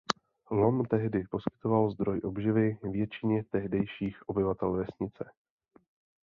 Lom tehdy poskytoval zdroj obživy většině tehdejších obyvatel vesnice.